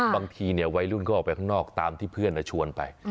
บางทีวัยรุ่นก็ออกไปข้างนอกตามที่เพื่อนชวนไป